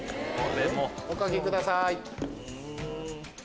お書きください。